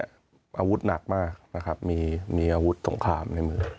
อาวุธหนักมากนะครับมีอาวุธสงครามในมือ